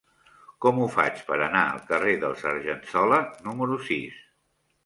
Com ho faig per anar al carrer dels Argensola número sis?